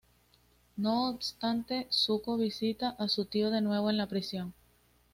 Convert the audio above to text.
No obstante, Zuko visita a su tío de nuevo en la prisión.